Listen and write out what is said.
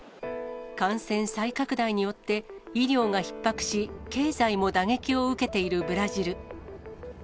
感染再拡大によって、医療がひっ迫し、経済も打撃を受けているブラジル。